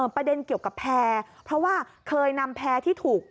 ประเด็นเกี่ยวกับแพร่เพราะว่าเคยนำแพร่ที่ถูก